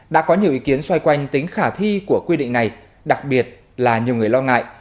đã có nhiều ý kiến xoay quanh tính khả thi của quy định này đặc biệt là nhiều người lo ngại